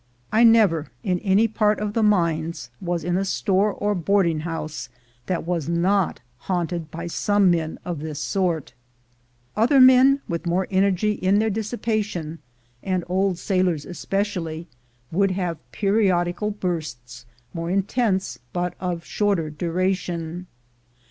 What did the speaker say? I never, in any part of the mines, was in a store or boarding house that was not haunted by some men of this sort. Other men, with more energy in their dissipation, ON THE TRAIL 189 and old sailors especially, would have periodical bursts, more intense but of shorter duration.